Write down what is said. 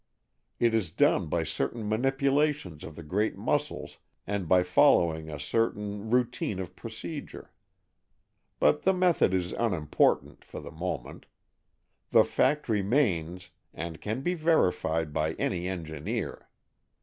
It is done by certain manipulations of the great muscles and by following a certain routine of procedure. But the method is unimportant, for the moment. The fact remains, and can be verified by any engineer.